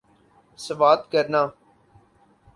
سوات کرنا